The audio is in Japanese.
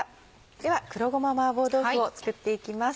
では黒ごま麻婆豆腐を作っていきます。